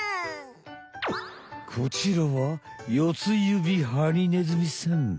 こちらはヨツユビハリネズミさん。